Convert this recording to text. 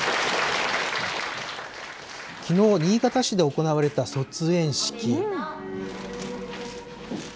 きのう、新潟市で行われた卒園式。